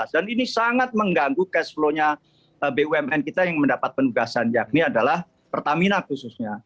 dan ini sangat mengganggu cash flow nya bumn kita yang mendapat penugasan yakni adalah pertamina khususnya